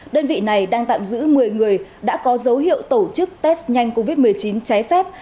đơn vị này đang tạm giữ một mươi người đã có dấu hiệu tổ chức test nhanh covid một mươi chín trái phép